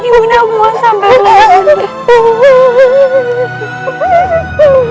ibu nda aku mau sambar